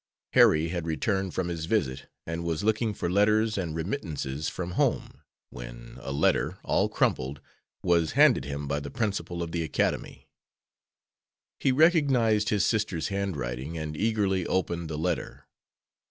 Harry had returned from his visit, and was looking for letters and remittances from home, when a letter, all crumpled, was handed him by the principal of the academy. He recognized his sister's handwriting and eagerly opened the letter.